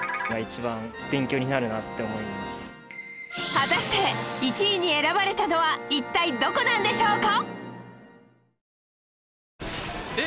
果たして１位に選ばれたのは一体どこなんでしょうか？